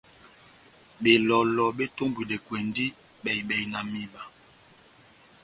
Belɔlɔ betombwidɛkwɛndi bɛhi-bɛhi na mihiba.